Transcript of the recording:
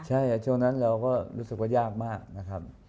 ใช่ช่วงนั้นเราก็รู้สึกว่ายากมากนะครับ